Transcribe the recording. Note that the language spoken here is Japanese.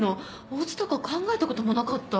大津とか考えたこともなかった。